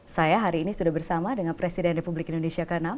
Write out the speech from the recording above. saya hari ini sudah bersama dengan presiden republik indonesia ke enam